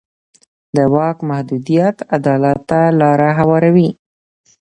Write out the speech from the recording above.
د واک محدودیت عدالت ته لاره هواروي